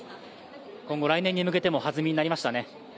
今後、来年に向けてのはずみになりましたね。